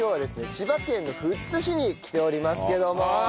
千葉県の富津市に来ておりますけども。